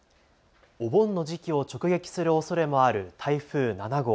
お盆の時期を直撃するおそれもある台風７号。